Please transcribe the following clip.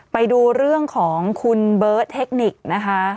ไปดูเรื่องของคุณเบิร์ตเทคนิคนะคะ